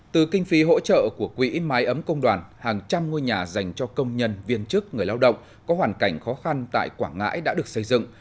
từ kinh phí hỗ trợ của quỹ máy ấm công đoàn hàng trăm ngôi nhà dành cho công nhân viên chức người lao động có hoàn cảnh khó khăn tại quảng ngãi đã được xây dựng